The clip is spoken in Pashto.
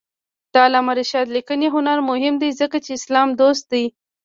د علامه رشاد لیکنی هنر مهم دی ځکه چې اسلام دوست دی.